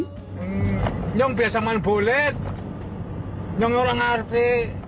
hmm yang biasa makan bolet yang orang ngerti